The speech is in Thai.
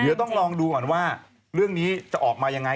เดี๋ยวต้องลองดูก่อนว่าเรื่องนี้จะออกมายังไง